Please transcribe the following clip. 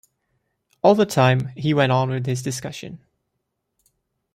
All the time he went on with his discussion.